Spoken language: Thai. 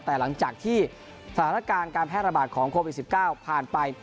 แต่หลังจากที่สถานการณ์การแพร่ระบาดของโควิด๑๙ผ่านไป